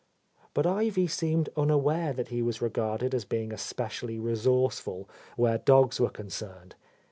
But Ivy seemed unaware that he was regarded as being especially resourceful where dogs were concerned.